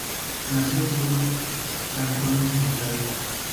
Nació en Burk, Franconia Central.